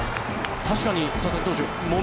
確かに佐々木投手